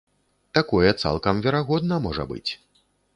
Такое цалкам верагодна можа быць.